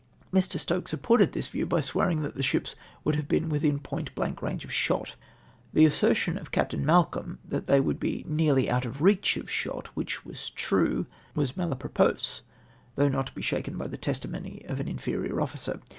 ]\Ir. Stokes su]oported this view by swearing that tlie ships would have been "within point blank range of shot." The assertion of Captain Malcolm that they would be nearly out of reach of shot, which was true, was malapropos, tliough not t(3 be shaken by the testimony of an inferior olhcer.